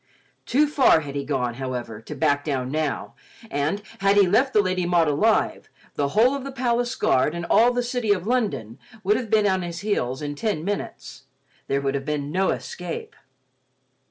Too far he had gone, however, to back down now, and, had he left the Lady Maud alive, the whole of the palace guard and all the city of London would have been on his heels in ten minutes; there would have been no escape.